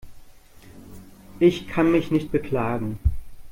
Ich kann mich nicht beklagen.